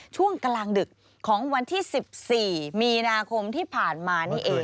ช่วงกลางดึกของวันที่๑๔มีนาคมที่ผ่านมานี่เอง